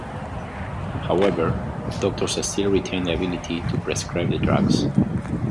However, doctors still retain the ability to prescribe the drugs.